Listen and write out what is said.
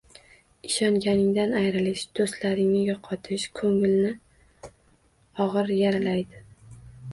Ishonganingdan ayrilish, doʻstlaringni yoʻqotish koʻngilni ogʻir yaralaydi